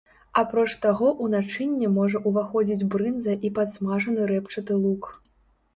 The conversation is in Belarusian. Апроч таго ў начынне можа ўваходзіць брынза і падсмажаны рэпчаты лук.